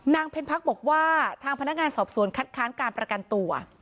เพ็ญพักบอกว่าทางพนักงานสอบสวนคัดค้านการประกันตัว